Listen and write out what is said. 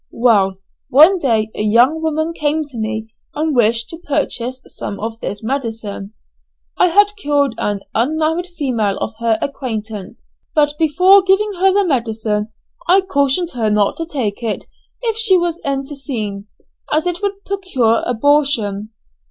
Well, one day a young woman came to me and wished to purchase some of this medicine. I had cured an unmarried female of her acquaintance, but before giving her the medicine I cautioned her not to take it if she was enciente, as it would procure abortion.